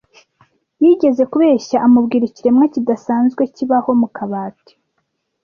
Yigeze kubeshya amubwira ikiremwa kidasanzwe kibaho mu kabati.